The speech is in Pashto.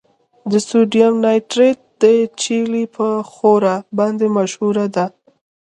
د سوډیم نایټریټ د چیلي په ښوره باندې مشهوره ده.